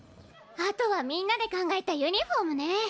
あとはみんなで考えたユニフォームね！